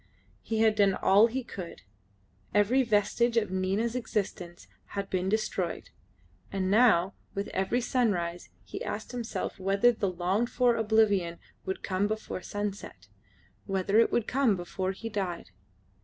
He had done all he could. Every vestige of Nina's existence had been destroyed; and now with every sunrise he asked himself whether the longed for oblivion would come before sunset, whether it would come before he died?